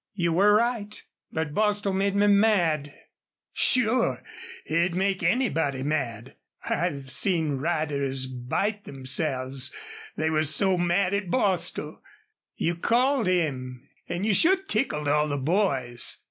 You were right. But Bostil made me mad." "Sure! He'd make anybody mad. I've seen riders bite themselves, they was so mad at Bostil. You called him, an' you sure tickled all the boys.